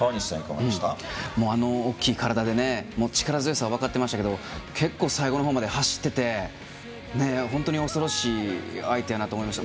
あの大きい体で力強さは分かってましたけど結構、最後のほうまで走ってて本当に恐ろしい相手やなと思いました。